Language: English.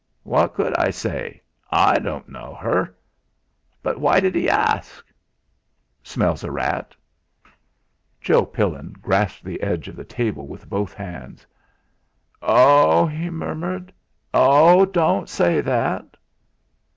"What could I say? I don't know her. But why did he ask?" "Smells a rat." Joe Pillin grasped the edge of the table with both hands. "Oh!" he murmured. "Oh! don't say that!"